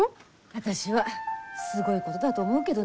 私はすごいことだと思うけどね。